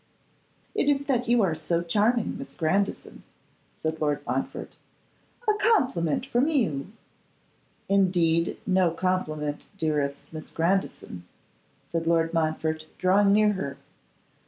'It is that you are so charming, Miss Grandison,' said Lord Montfort. 'A compliment from you!' 'Indeed, no compliment, dearest Miss Grandison,' said Lord Montfort, drawing near her.